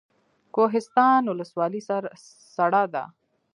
کوهستان ولسوالۍ سړه ده؟